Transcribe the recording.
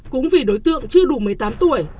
cũng vì đối tượng chưa đủ một mươi tám tuổi